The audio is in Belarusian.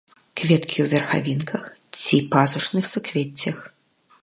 Кветкі ў верхавінках ці пазушных суквеццях.